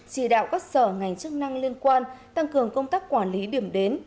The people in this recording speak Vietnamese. chỉ đạo các sở ngành chức năng liên quan tăng cường công tác quản lý điểm đến